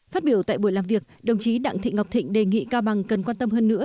phát biểu tại buổi làm việc đồng chí đặng thị ngọc thịnh đề nghị cao bằng cần quan tâm hơn nữa